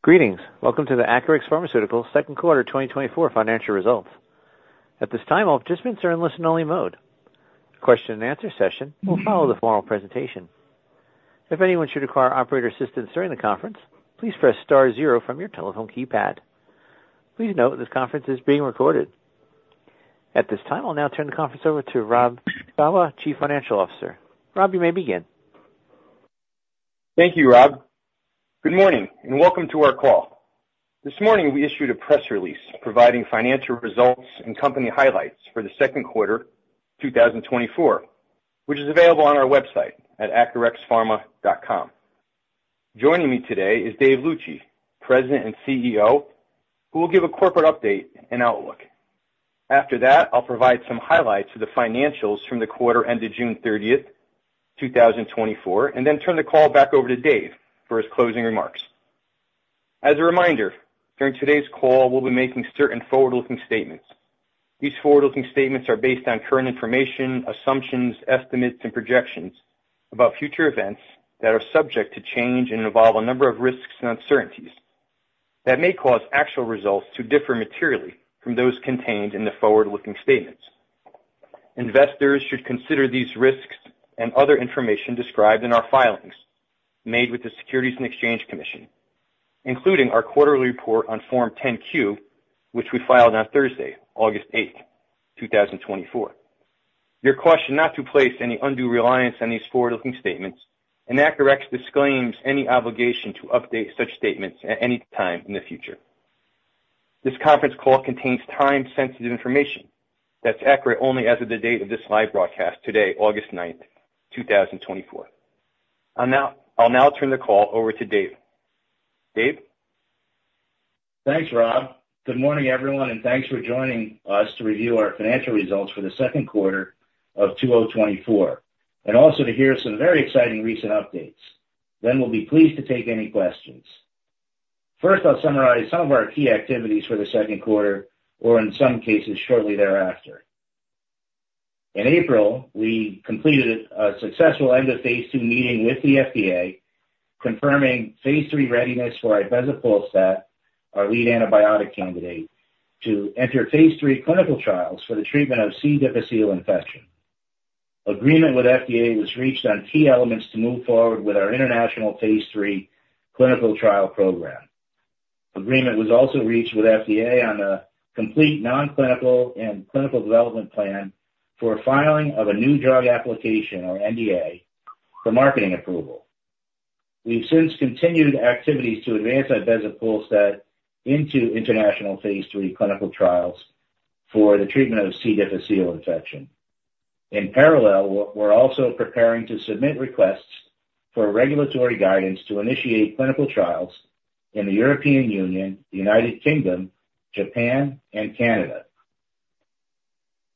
Greetings. Welcome to the Acurx Pharmaceuticals second quarter 2024 financial results. At this time, all participants are in listen-only mode. A question-and-answer session will follow the formal presentation. If anyone should require operator assistance during the conference, please press star zero from your telephone keypad. Please note this conference is being recorded. At this time, I'll now turn the conference over to Robert Shawah, Chief Financial Officer. Rob, you may begin. Thank you, Rob. Good morning, and welcome to our call. This morning, we issued a press release providing financial results and company highlights for the second quarter 2024, which is available on our website at acurxpharma.com. Joining me today is Dave Luci, President and CEO, who will give a corporate update and outlook. After that, I'll provide some highlights of the financials from the quarter ended June 30, 2024, and then turn the call back over to Dave for his closing remarks. As a reminder, during today's call, we'll be making certain forward-looking statements. These forward-looking statements are based on current information, assumptions, estimates, and projections about future events that are subject to change and involve a number of risks and uncertainties that may cause actual results to differ materially from those contained in the forward-looking statements. Investors should consider these risks and other information described in our filings made with the Securities and Exchange Commission, including our quarterly report on Form 10-Q, which we filed on Thursday, August 8, 2024. You're cautioned not to place any undue reliance on these forward-looking statements, and Acurx disclaims any obligation to update such statements at any time in the future. This conference call contains time-sensitive information that's accurate only as of the date of this live broadcast today, August 9, 2024. I'll now turn the call over to Dave. Dave? Thanks, Rob. Good morning, everyone, and thanks for joining us to review our financial results for the second quarter of 2024, and also to hear some very exciting recent updates. Then we'll be pleased to take any questions. First, I'll summarize some of our key activities for the second quarter, or in some cases, shortly thereafter. In April, we completed a successful end-of-phase II meeting with the FDA, confirming phase III readiness for ibezapolstat, our lead antibiotic candidate, to enter phase III clinical trials for the treatment of C. difficile infection. Agreement with FDA was reached on key elements to move forward with our international phase III clinical trial program. Agreement was also reached with FDA on a complete non-clinical and clinical development plan for a filing of a new drug application, or NDA, for marketing approval. We've since continued activities to advance ibezapolstat into international phase three clinical trials for the treatment of C. difficile infection. In parallel, we're also preparing to submit requests for regulatory guidance to initiate clinical trials in the European Union, the United Kingdom, Japan, and Canada.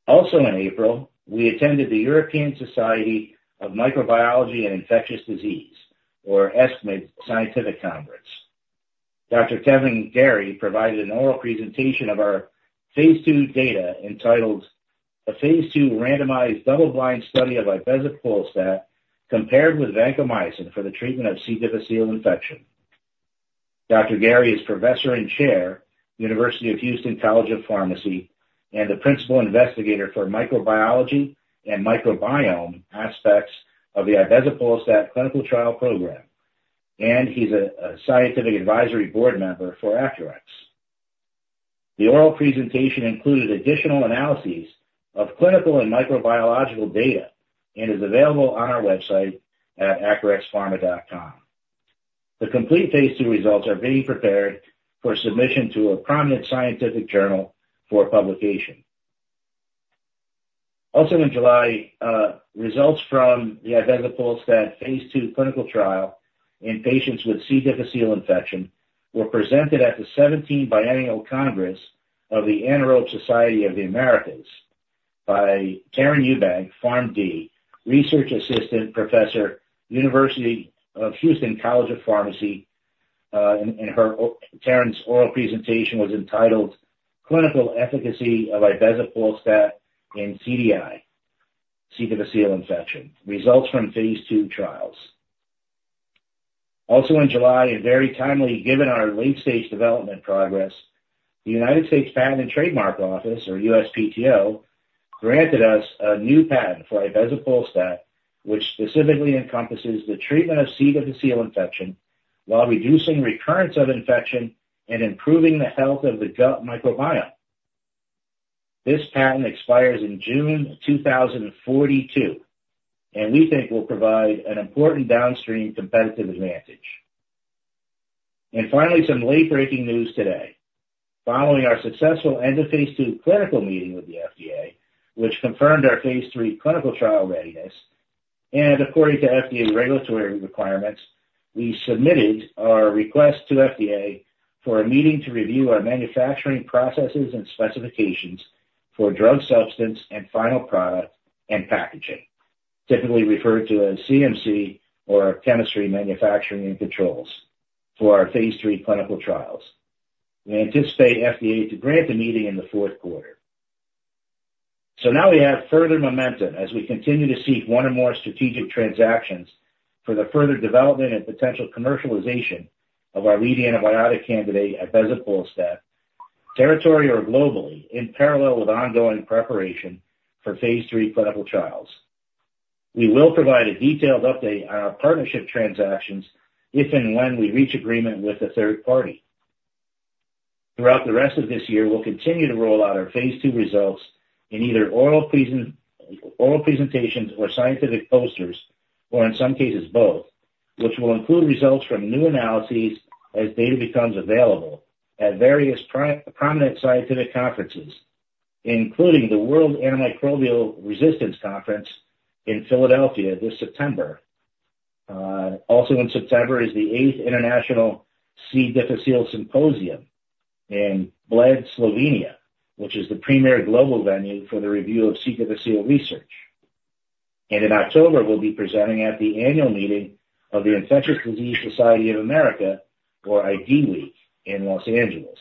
Also, in April, we attended the European Society of Clinical Microbiology and Infectious Diseases, or ESCMID, Scientific Congress. Dr. Kevin Garey provided an oral presentation of our phase II data entitled "A phase II randomized double-blind study of ibezapolstat compared with vancomycin for the treatment of C. difficile infection." Dr. Garey is Professor and Chair, University of Houston College of Pharmacy, and the Principal Investigator for microbiology and microbiome aspects of the ibezapolstat clinical trial program, and he's a scientific advisory board member for Acurx. The oral presentation included additional analyses of clinical and microbiological data and is available on our website at acurxpharma.com. The complete phase II results are being prepared for submission to a prominent scientific journal for publication. Also in July, results from the ibezapolstat phase II clinical trial in patients with C. difficile infection were presented at the 17th Biennial Congress of the Anaerobe Society of the Americas by Taryn Eubank, PharmD, Research Assistant Professor, University of Houston College of Pharmacy. And Taryn's oral presentation was entitled "Clinical Efficacy of Ibezapolstat in CDI, C. difficile Infection: Results from phase II Trials." Also in July, and very timely, given our late-stage development progress, the U.S. Patent and Trademark Office, or USPTO, granted us a new patent for ibezapolstat, which specifically encompasses the treatment of C. difficile infection while reducing recurrence of infection and improving the health of the gut microbiome. This patent expires in June 2042, and we think will provide an important downstream competitive advantage. And finally, some late-breaking news today. Following our successful end-of-phase II clinical meeting with the FDA, which confirmed our phase III clinical trial readiness, and according to FDA regulatory requirements, we submitted our request to FDA for a meeting to review our manufacturing processes and specifications for drug substance and final product and packaging, typically referred to as CMC or chemistry, manufacturing, and controls for our phase III clinical trials. We anticipate FDA to grant the meeting in the fourth quarter. So now we have further momentum as we continue to seek one or more strategic transactions for the further development and potential commercialization of our lead antibiotic candidate, ibezapolstat, territory or globally, in parallel with ongoing preparation for phase III clinical trials. We will provide a detailed update on our partnership transactions if and when we reach agreement with a third party. Throughout the rest of this year, we'll continue to roll out our phase II results in either oral presentations or scientific posters, or in some cases both, which will include results from new analyses as data becomes available at various prominent scientific conferences, including the World Antimicrobial Resistance Congress in Philadelphia this September. Also in September is the eighth International C. difficile Symposium in Bled, Slovenia, which is the premier global venue for the review of C. difficile research. In October, we'll be presenting at the annual meeting of the Infectious Diseases Society of America, or IDWeek, in Los Angeles.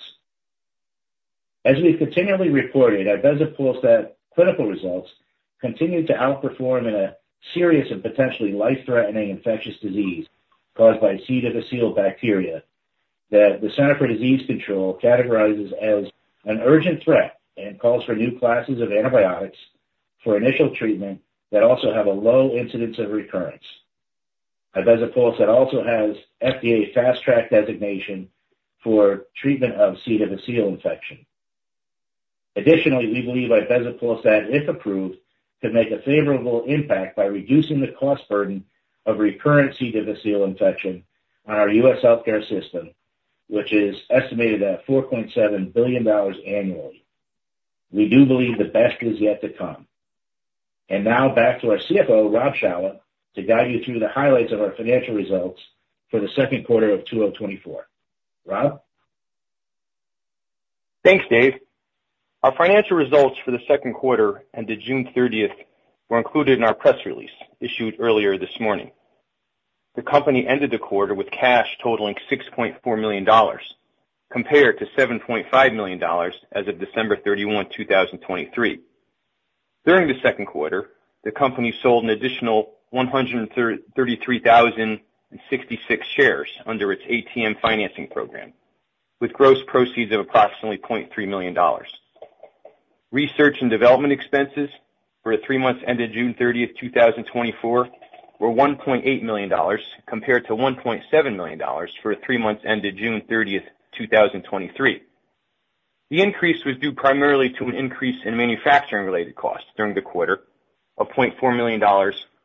As we've continually reported, ibezapolstat clinical results continue to outperform in a series of potentially life-threatening infectious disease caused by C. difficile bacteria, that the Centers for Disease Control categorizes as an urgent threat and calls for new classes of antibiotics for initial treatment that also have a low incidence of recurrence. Ibezapolstat also has FDA Fast Track designation for treatment of C. difficile infection. Additionally, we believe ibezapolstat, if approved, could make a favorable impact by reducing the cost burden of recurrent C. difficile infection on our U.S. healthcare system, which is estimated at $4.7 billion annually. We do believe the best is yet to come. And now back to our CFO, Rob Shawah, to guide you through the highlights of our financial results for the second quarter of 2024. Rob? Thanks, Dave. Our financial results for the second quarter ended June 30th were included in our press release issued earlier this morning. The company ended the quarter with cash totaling $6.4 million, compared to $7.5 million as of December 31, 2023. During the second quarter, the company sold an additional 133,066 shares under its ATM financing program, with gross proceeds of approximately $0.3 million. Research and development expenses for the three months ended June 30, 2024, were $1.8 million, compared to $1.7 million for the three months ended June 30, 2023. The increase was due primarily to an increase in manufacturing-related costs during the quarter of $0.4 million,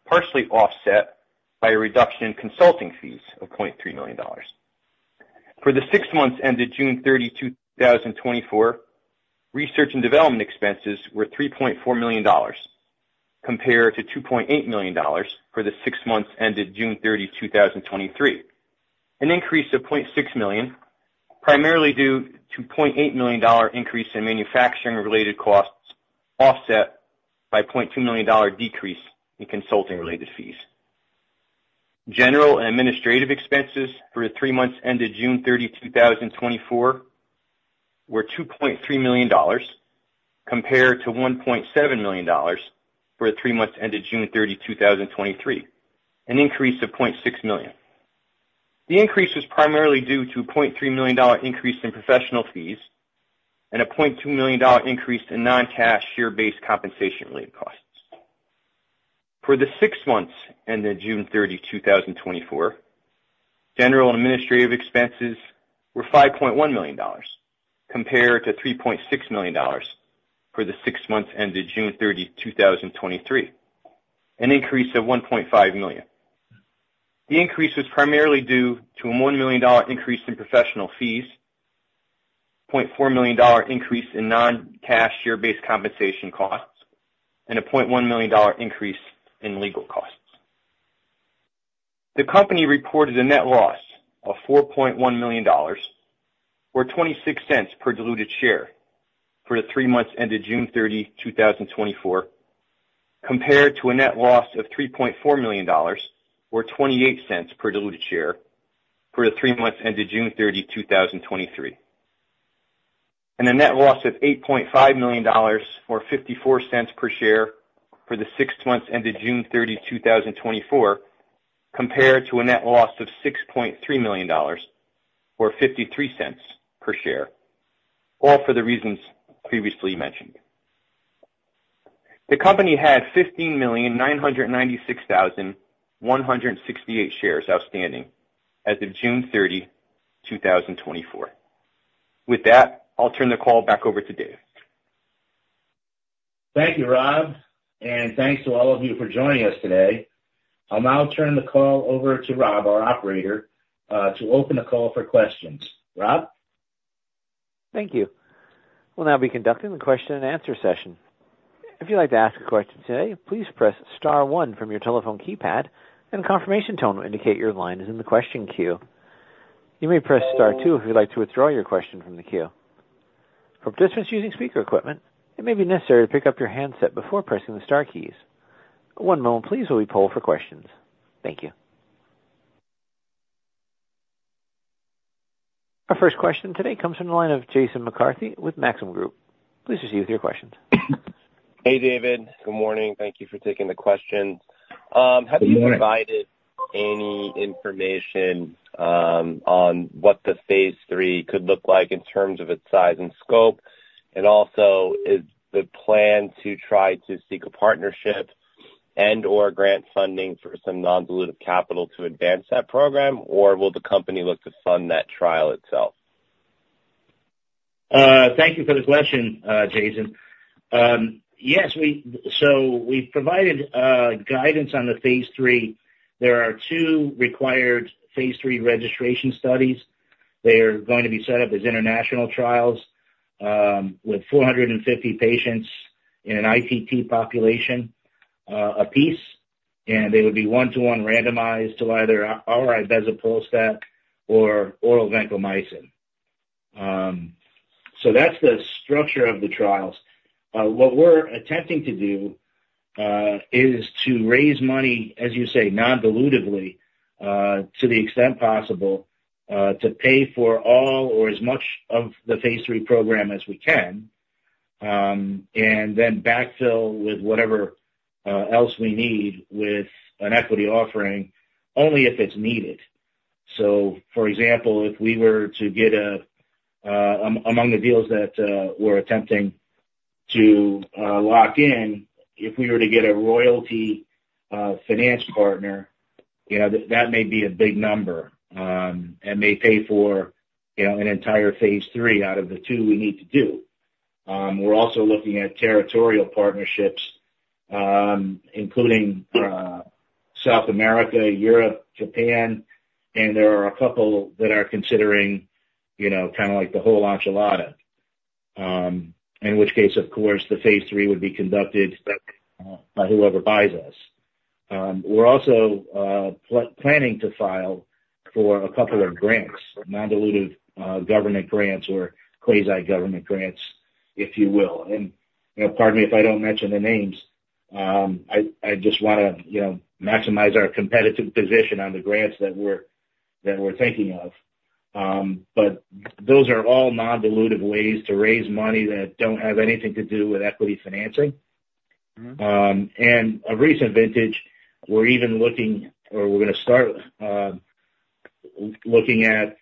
partially offset by a reduction in consulting fees of $0.3 million. For the six months ended June 30, 2024, research and development expenses were $3.4 million, compared to $2.8 million for the six months ended June 30, 2023, an increase of $0.6 million, primarily due to $0.8 million dollar increase in manufacturing-related costs, offset by $0.2 million dollar decrease in consulting-related fees. General and administrative expenses for the three months ended June 30, 2024, were $2.3 million, compared to $1.7 million for the three months ended June 30, 2023, an increase of $0.6 million. The increase was primarily due to a $0.3 million increase in professional fees and a $0.2 million increase in non-cash share-based compensation-related costs. For the 6 months ended June 30, 2024, general and administrative expenses were $5.1 million, compared to $3.6 million for the 6 months ended June 30, 2023, an increase of $1.5 million. The increase was primarily due to a $1 million increase in professional fees, $0.4 million increase in non-cash share-based compensation costs, and a $0.1 million increase in legal costs. The company reported a net loss of $4.1 million, or $0.26 per diluted share for the three months ended June 30, 2024, compared to a net loss of $3.4 million, or $0.28 per diluted share for the three months ended June 30, 2023. A net loss of $8.5 million, or $0.54 per share for the six months ended June 30, 2024, compared to a net loss of $6.3 million, or $0.53 per share, all for the reasons previously mentioned. The company had 15,996,168 shares outstanding as of June 30, 2024. With that, I'll turn the call back over to Dave. Thank you, Rob, and thanks to all of you for joining us today. I'll now turn the call over to Rob, our operator, to open the call for questions. Rob? Thank you. We'll now be conducting the question and answer session. If you'd like to ask a question today, please press star one from your telephone keypad, and a confirmation tone will indicate your line is in the question queue. You may press star two if you'd like to withdraw your question from the queue. For participants using speaker equipment, it may be necessary to pick up your handset before pressing the star keys. One moment please, while we poll for questions. Thank you. Our first question today comes from the line of Jason McCarthy with Maxim Group. Please proceed with your questions. Hey, David. Good morning. Thank you for taking the questions. Good morning. Have you provided any information on what the phase III could look like in terms of its size and scope? Also, is the plan to try to seek a partnership and/or grant funding for some non-dilutive capital to advance that program, or will the company look to fund that trial itself? Thank you for the question, Jason. Yes, so we've provided guidance on the phase III. There are two required phase III registration studies. They're going to be set up as international trials, with 450 patients in an IPT population, apiece, and they would be 1:1 randomized to either oral ibezapolstat or oral vancomycin. So that's the structure of the trials. What we're attempting to do is to raise money, as you say, non-dilutively, to the extent possible, to pay for all or as much of the phase III program as we can, and then backfill with whatever else we need with an equity offering, only if it's needed. So for example, if we were to get a- Among the deals that we're attempting to lock in, if we were to get a royalty finance partner, you know, that may be a big number and may pay for, you know, an entire phase III out of the 2 we need to do. We're also looking at territorial partnerships, including South America, Europe, Japan, and there are a couple that are considering, you know, kind of like the whole enchilada. In which case, of course, the phase III would be conducted by whoever buys us. We're also planning to file for a couple of grants, non-dilutive government grants or quasi-government grants, if you will. You know, pardon me if I don't mention the names. I just wanna, you know, maximize our competitive position on the grants that we're thinking of. Those are all non-dilutive ways to raise money that don't have anything to do with equity financing. And a recent vintage, we're even looking, or we're gonna start looking at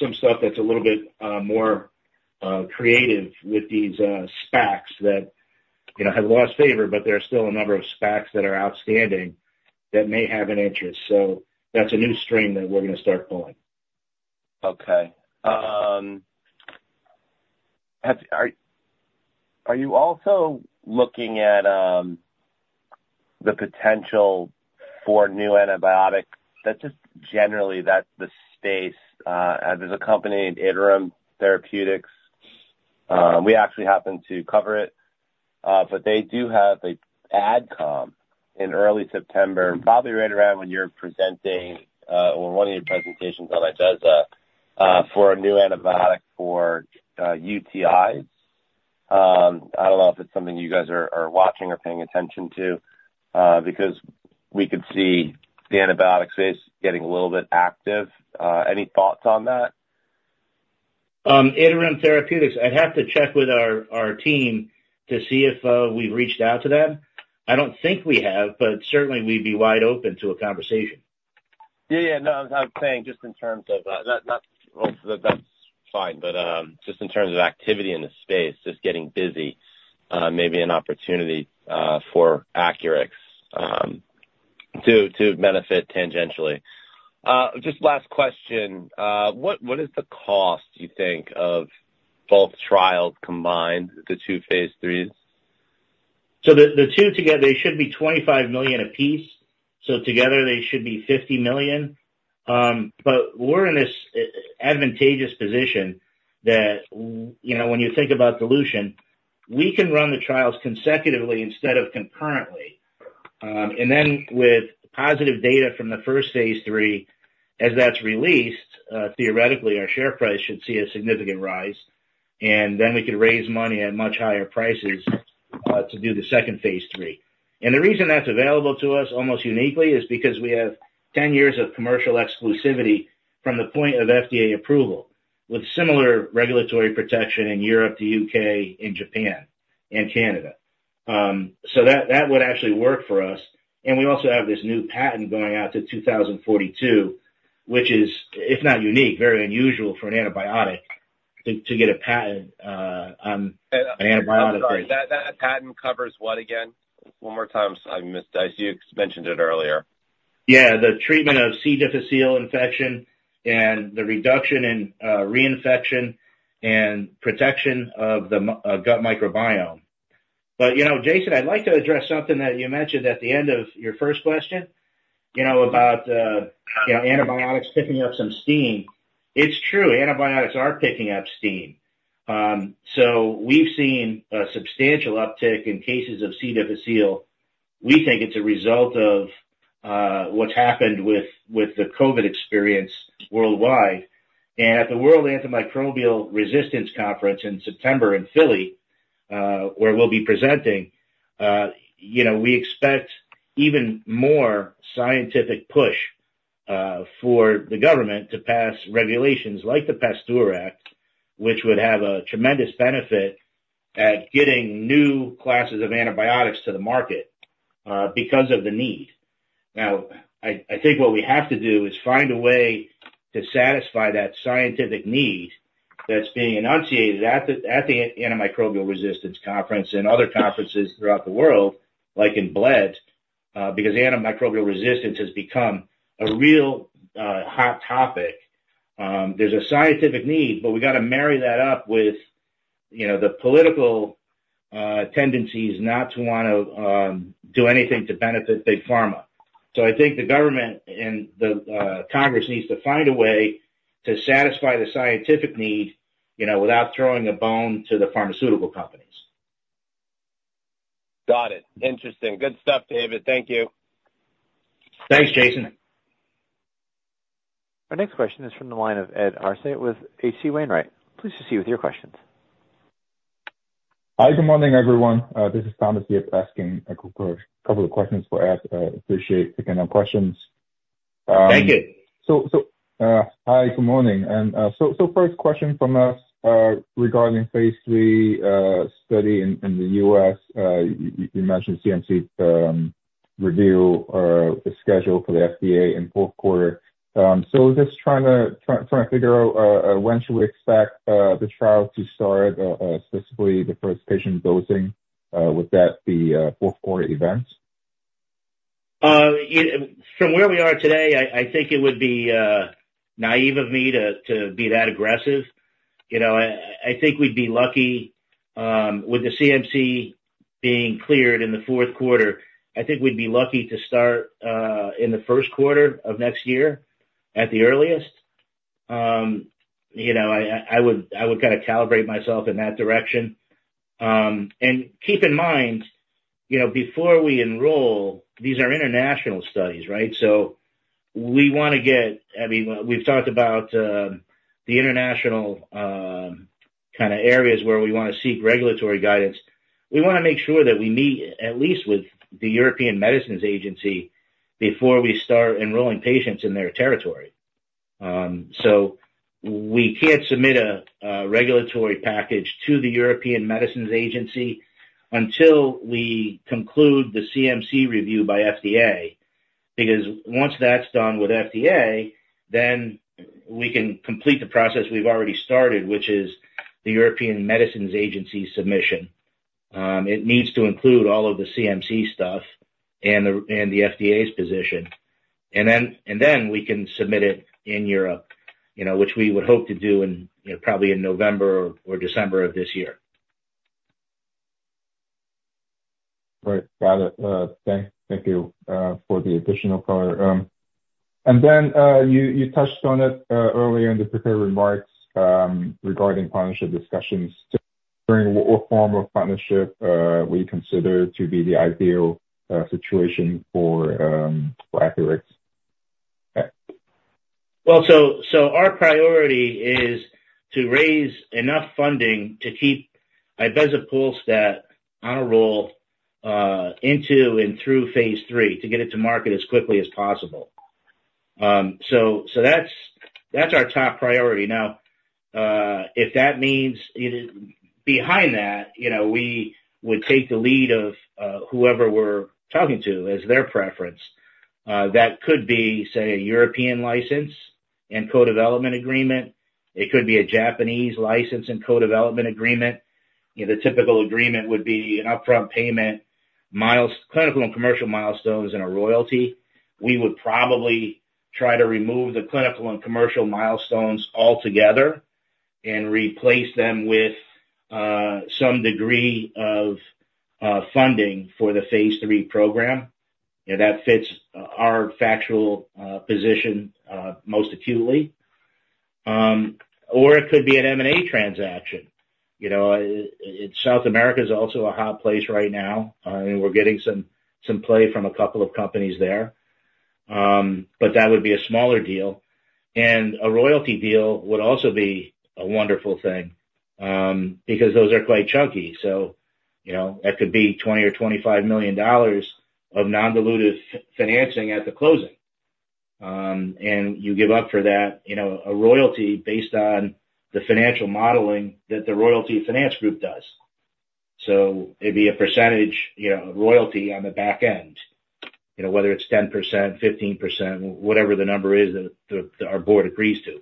some stuff that's a little bit more creative with these SPACs that, you know, have lost favor, but there are still a number of SPACs that are outstanding that may have an interest. So that's a new stream that we're gonna start pulling. Okay. Are you also looking at the potential for new antibiotics? That's just generally, that's the space. There's a company, Iterum Therapeutics. We actually happen to cover it, but they do have an AdCom in early September, probably right around when you're presenting, or one of your presentations on ibezapolstat, for a new antibiotic for UTIs. I don't know if it's something you guys are watching or paying attention to, because we could see the antibiotic space getting a little bit active. Any thoughts on that? Iterum Therapeutics, I'd have to check with our team to see if we've reached out to them. I don't think we have, but certainly we'd be wide open to a conversation. Yeah, yeah. No, I'm saying just in terms of not... Well, that's fine, but just in terms of activity in the space, just getting busy may be an opportunity for Acurx to benefit tangentially. Just last question. What is the cost, you think, of both trials combined, the two phase IIIs? So the two together, they should be $25 million apiece, so together, they should be $50 million. But we're in this advantageous position that, you know, when you think about dilution, we can run the trials consecutively instead of concurrently. And then with positive data from the first phase III, as that's released, theoretically, our share price should see a significant rise, and then we could raise money at much higher prices to do the second phase III. And the reason that's available to us, almost uniquely, is because we have 10 years of commercial exclusivity from the point of FDA approval, with similar regulatory protection in Europe, the U.K., and Japan, and Canada. So that would actually work for us. We also have this new patent going out to 2042, which is, if not unique, very unusual for an antibiotic, to get a patent on an antibiotic. I'm sorry, that, that patent covers what again? One more time. I missed that. You mentioned it earlier. Yeah, the treatment of C. difficile infection and the reduction in reinfection and protection of the gut microbiome. But, you know, Jason, I'd like to address something that you mentioned at the end of your first question, you know, about, you know, antibiotics picking up some steam. It's true. Antibiotics are picking up steam. So we've seen a substantial uptick in cases of C. difficile. We think it's a result of what's happened with the COVID experience worldwide. And at the World Antimicrobial Resistance Conference in September in Philly, where we'll be presenting, you know, we expect even more scientific push for the government to pass regulations like the PASTEUR Act, which would have a tremendous benefit at getting new classes of antibiotics to the market because of the need. Now, I think what we have to do is find a way to satisfy that scientific need that's being enunciated at the Antimicrobial Resistance Conference and other conferences throughout the world, like in Bled, because antimicrobial resistance has become a real hot topic. There's a scientific need, but we gotta marry that up with, you know, the political tendencies not to want to do anything to benefit Big Pharma. So I think the government and the Congress needs to find a way to satisfy the scientific need, you know, without throwing a bone to the pharmaceutical companies. Got it. Interesting. Good stuff, David. Thank you. Thanks, Jason. Our next question is from the line of Ed Arce with H.C. Wainwright. Please proceed with your questions. Hi, good morning, everyone. This is Thomas Yip asking a couple of questions for Ed. Appreciate taking our questions. Thank you. Hi, good morning. First question from us, regarding Phase III study in the U.S. You mentioned CMC review, the schedule for the FDA in fourth quarter. So just trying to figure out when to expect the trial to start, specifically the first patient dosing. Would that be a fourth quarter event? From where we are today, I think it would be naive of me to be that aggressive. You know, I think we'd be lucky with the CMC being cleared in the fourth quarter. I think we'd be lucky to start in the first quarter of next year, at the earliest. You know, I would kind of calibrate myself in that direction. And keep in mind, you know, before we enroll, these are international studies, right? So we wanna get, I mean, we've talked about the international kind of areas where we want to seek regulatory guidance. We want to make sure that we meet at least with the European Medicines Agency before we start enrolling patients in their territory. So we can't submit a regulatory package to the European Medicines Agency until we conclude the CMC review by FDA, because once that's done with FDA, then we can complete the process we've already started, which is the European Medicines Agency submission. It needs to include all of the CMC stuff and the FDA's position. And then we can submit it in Europe, you know, which we would hope to do in, you know, probably in November or December of this year. Right. Got it. Thank you for the additional color. And then, you touched on it earlier in the prepared remarks regarding partnership discussions. During what form of partnership would you consider to be the ideal situation for Acurx? Well, our priority is to raise enough funding to keep ibezapolstat on a roll into and through phase III, to get it to market as quickly as possible. So that's our top priority. Now, if that means, you know, behind that, you know, we would take the lead of whoever we're talking to, as their preference. That could be, say, a European license and co-development agreement. It could be a Japanese license and co-development agreement. You know, the typical agreement would be an upfront payment, milestone clinical and commercial milestones and a royalty. We would probably try to remove the clinical and commercial milestones altogether and replace them with some degree of funding for the phase III program. You know, that fits our factual position most acutely. Or it could be an M&A transaction. You know, South America is also a hot place right now. And we're getting some play from a couple of companies there. But that would be a smaller deal, and a royalty deal would also be a wonderful thing, because those are quite chunky. So, you know, that could be $20 million-$25 million of non-dilutive financing at the closing. And you give up for that, you know, a royalty based on the financial modeling that the royalty finance group does. So it'd be a percentage, you know, royalty on the back end, you know, whether it's 10%, 15%, whatever the number is that our board agrees to.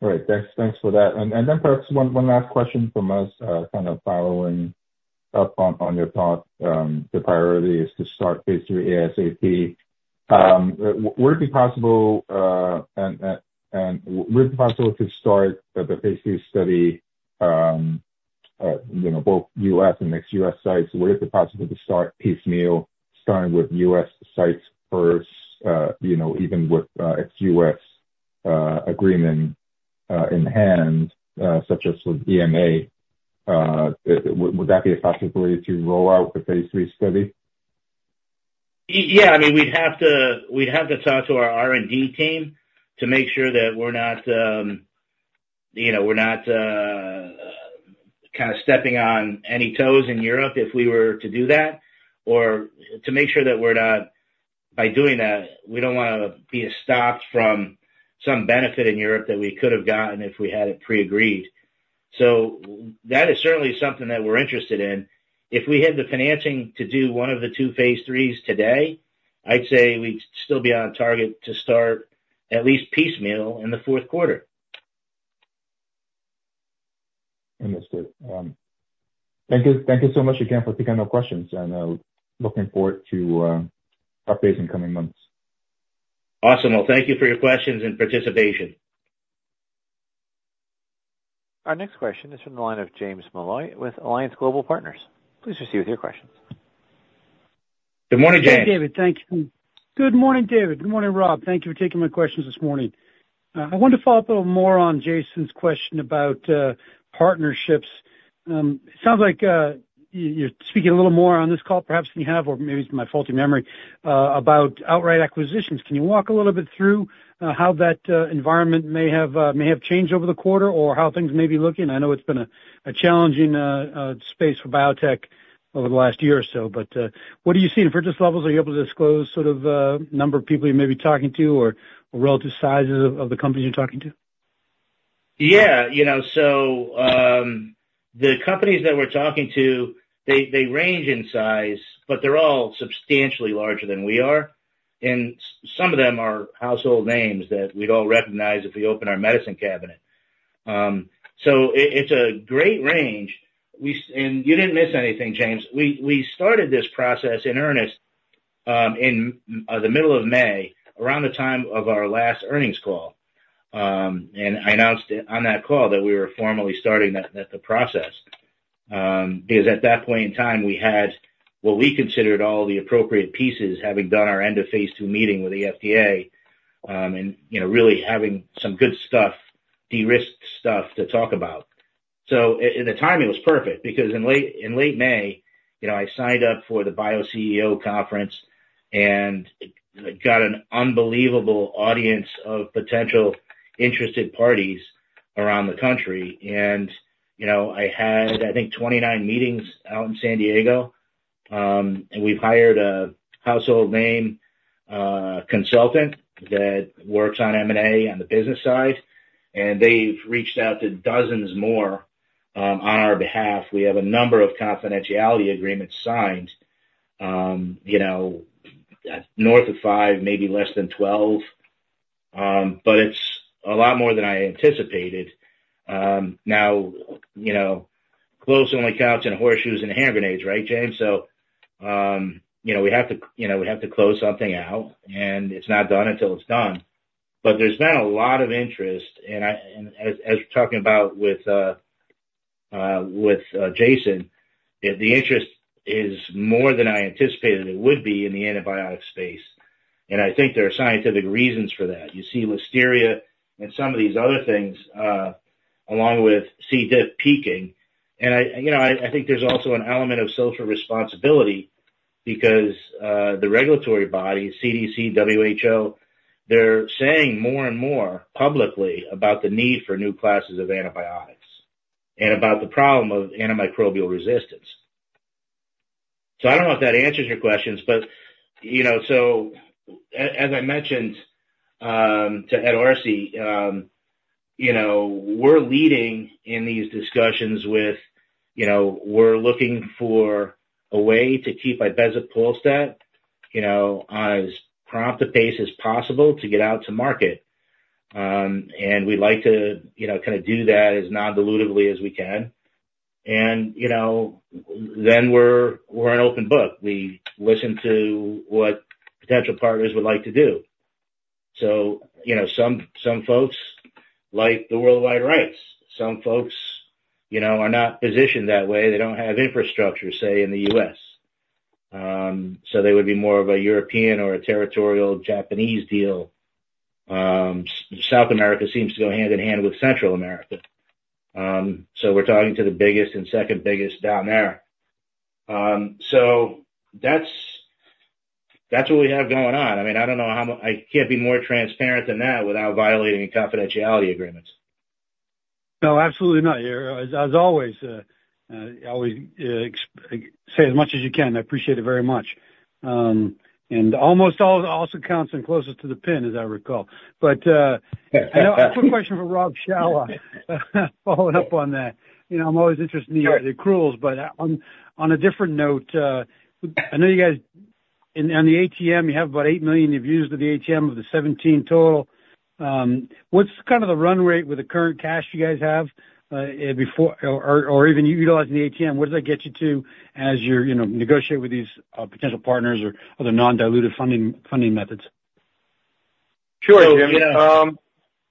All right. Thanks, thanks for that. And then perhaps one last question from us, kind of following up on your thought. The priority is to start Phase III ASAP. Would it be possible to start the Phase III study, you know, both US and ex U.S. sites? Would it be possible to start piecemeal, starting with U.S. sites first, you know, even with ex U.S. agreement in hand, such as with EMA? Would that be a possibility to roll out the Phase III study? Yeah, I mean, we'd have to, we'd have to talk to our R&D team to make sure that we're not, you know, we're not kind of stepping on any toes in Europe if we were to do that, or to make sure that we're not, by doing that, we don't wanna be stopped from some benefit in Europe that we could have gotten if we had it pre-agreed. So that is certainly something that we're interested in. If we had the financing to do one of the two phase IIIs today, I'd say we'd still be on target to start at least piecemeal, in the fourth quarter. Understood. Thank you, thank you so much again for taking our questions, and looking forward to updates in coming months. Awesome. Well, thank you for your questions and participation. Our next question is from the line of James Molloy with Alliance Global Partners. Please proceed with your questions. Good morning, James. Good, David. Thank you. Good morning, David. Good morning, Rob. Thank you for taking my questions this morning. I wanted to follow up a little more on Jason's question about partnerships. Sounds like you're speaking a little more on this call, perhaps than you have, or maybe it's my faulty memory about outright acquisitions. Can you walk a little bit through how that environment may have changed over the quarter or how things may be looking? I know it's been a challenging space for biotech over the last year or so, but what do you see in purchase levels? Are you able to disclose sort of number of people you may be talking to or relative sizes of the companies you're talking to? Yeah. You know, so, the companies that we're talking to, they range in size, but they're all substantially larger than we are. Some of them are household names that we'd all recognize if we open our medicine cabinet. It's a great range. We and you didn't miss anything, James. We started this process in earnest, in the middle of May, around the time of our last earnings call. I announced it on that call that we were formally starting the process. Because at that point in time, we had what we considered all the appropriate pieces, having done our end of phase II meeting with the FDA, and, you know, really having some good stuff, de-risked stuff to talk about. So and the timing was perfect, because in late May, you know, I signed up for the BIO CEO conference and it got an unbelievable audience of potential interested parties around the country. And, you know, I had, I think, 29 meetings out in San Diego. And we've hired a household name consultant that works on M&A on the business side, and they've reached out to dozens more on our behalf. We have a number of confidentiality agreements signed, you know, north of 5, maybe less than 12. But it's a lot more than I anticipated. Now, you know, close only counts in horseshoes and hand grenades, right, James? So, you know, we have to, you know, we have to close something out, and it's not done until it's done. But there's been a lot of interest, and as we were talking about with Jason, the interest is more than I anticipated it would be in the antibiotic space, and I think there are scientific reasons for that. You see Listeria and some of these other things, along with C. diff peaking. And I, you know, I think there's also an element of social responsibility because the regulatory body, CDC, WHO, they're saying more and more publicly about the need for new classes of antibiotics and about the problem of antimicrobial resistance. So I don't know if that answers your questions, but, you know, so as I mentioned, to Ed Arce, you know, we're leading in these discussions with, you know, we're looking for a way to keep ibezapolstat, you know, on as prompt a pace as possible to get out to market. And we'd like to, you know, kind of do that as non-dilutively as we can. And, you know, then we're, we're an open book. We listen to what potential partners would like to do. So, you know, some, some folks like the worldwide rights, some folks, you know, are not positioned that way. They don't have infrastructure, say, in the U.S. So they would be more of a European or a territorial Japanese deal. South America seems to go hand in hand with Central America. So we're talking to the biggest and second biggest down there. So that's, that's what we have going on. I mean, I don't know how I can't be more transparent than that without violating any confidentiality agreements. No, absolutely not. As always, you always say as much as you can. I appreciate it very much. And almost all also counts in closest to the pin, as I recall. But I know, a quick question for Robert Shawah, following up on that. You know, I'm always interested in the accruals, but on a different note, I know you guys on the ATM, you have about $8 million you've used of the ATM of the $17 million total. What's kind of the run rate with the current cash you guys have, before or even utilizing the ATM? What does that get you to, as you're you know, negotiating with these potential partners or other non-dilutive funding methods? Sure, James.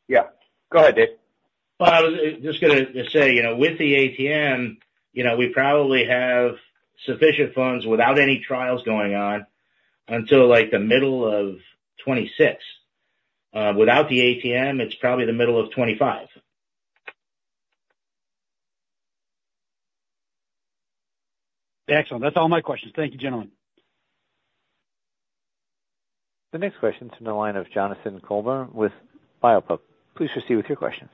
Yeah, go ahead, Dave. Well, I was just gonna say, you know, with the ATM, you know, we probably have sufficient funds without any trials going on until, like, the middle of 2026. Without the ATM, it's probably the middle of 2025. Excellent. That's all my questions. Thank you, gentlemen. The next question is from the line of Jonathan Kolber with BioPub. Please proceed with your questions.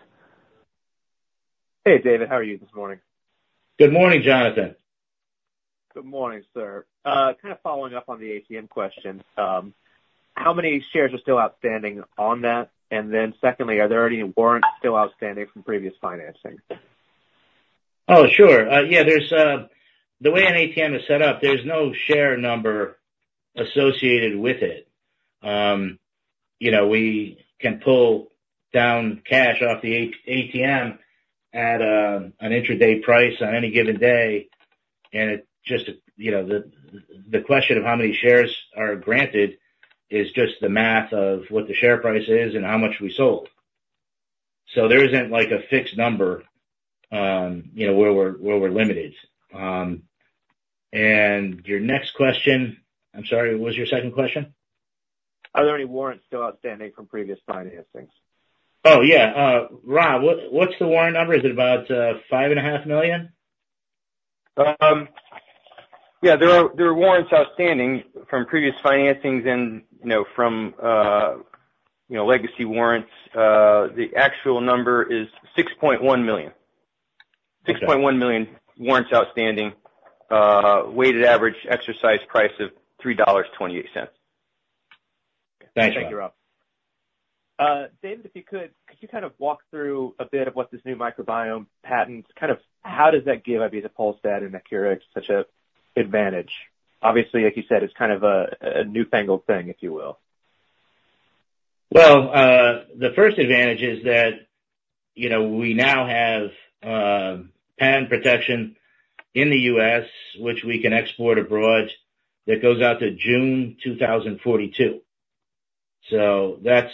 Hey, David. How are you this morning? Good morning, Jonathan. Good morning, sir. Kind of following up on the ATM question. How many shares are still outstanding on that? And then secondly, are there any warrants still outstanding from previous financings? Oh, sure. The way an ATM is set up, there's no share number associated with it. You know, we can pull down cash off the ATM at an intraday price on any given day, and it just, you know, the question of how many shares are granted is just the math of what the share price is and how much we sold. So there isn't, like, a fixed number, you know, where we're limited. And your next question, I'm sorry, what was your second question? Are there any warrants still outstanding from previous financings? Oh, yeah. Rob, what, what's the warrant number? Is it about 5.5 million? Yeah, there are warrants outstanding from previous financings and, you know, from you know, legacy warrants. The actual number is 6.1 million. Okay. 6.1 million warrants outstanding, weighted average exercise price of $3.28. Thanks, Rob. Thank you, Rob. David, if you could kind of walk through a bit of what this new microbiome patent kind of how does that give omadacycline and Acurx such a advantage? Obviously, like you said, it's kind of a newfangled thing, if you will. Well, the first advantage is that, you know, we now have patent protection in the U.S., which we can export abroad, that goes out to June 2042. So that's,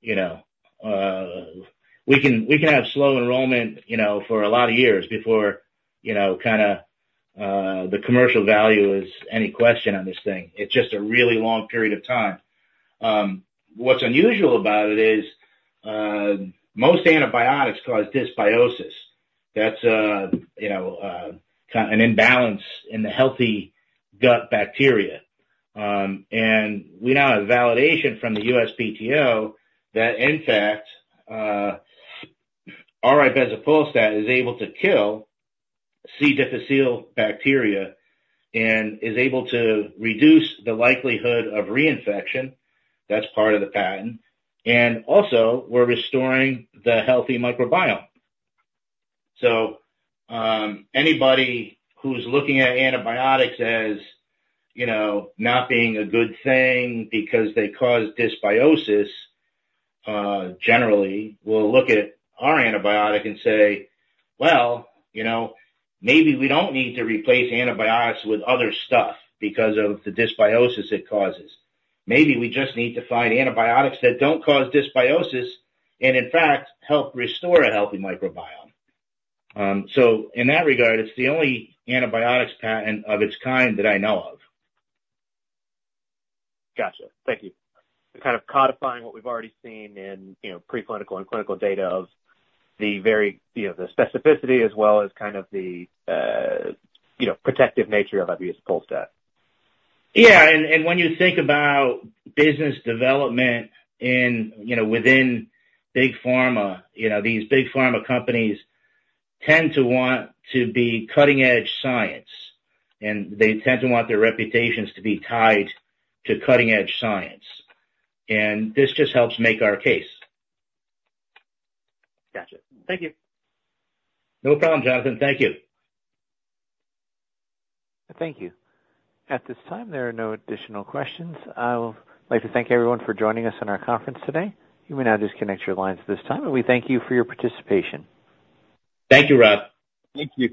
you know, we can, we can have slow enrollment, you know, for a lot of years before, you know, kinda, the commercial value is any question on this thing. It's just a really long period of time. What's unusual about it is, most antibiotics cause dysbiosis. That's, you know, an imbalance in the healthy gut bacteria. And we now have validation from the USPTO that, in fact, our ibezapolstat is able to kill C. difficile bacteria and is able to reduce the likelihood of reinfection. That's part of the patent. And also, we're restoring the healthy microbiome. So, anybody who's looking at antibiotics as, you know, not being a good thing because they cause dysbiosis, generally, will look at our antibiotic and say, "Well, you know, maybe we don't need to replace antibiotics with other stuff because of the dysbiosis it causes. Maybe we just need to find antibiotics that don't cause dysbiosis and, in fact, help restore a healthy microbiome." So in that regard, it's the only antibiotics patent of its kind that I know of. Gotcha. Thank you. Kind of codifying what we've already seen in, you know, preclinical and clinical data of the very, you know, the specificity as well as kind of the, you know, protective nature of omadacycline. Yeah, and when you think about business development in, you know, within big pharma, you know, these big pharma companies tend to want to be cutting-edge science, and they tend to want their reputations to be tied to cutting-edge science. And this just helps make our case. Gotcha. Thank you. No problem, Jonathan. Thank you. Thank you. At this time, there are no additional questions. I would like to thank everyone for joining us on our conference today. You may now disconnect your lines at this time, and we thank you for your participation. Thank you, Rob. Thank you.